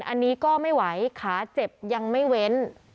อันนี้ก็ไม่ไหวขาเจ็บยังไม่เว้น